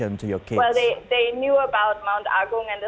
dan saya menunjukkan kepada mereka gambar dan video